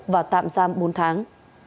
và tạm giam bốn tháng